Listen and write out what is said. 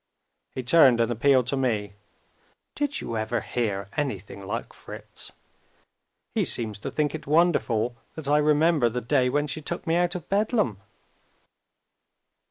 He turned and appealed to me. "Did you ever hear anything like Fritz? He seems to think it wonderful that I remember the day when she took me out of Bedlam!"